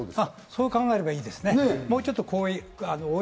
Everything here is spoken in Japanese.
そう考えたらいいですね。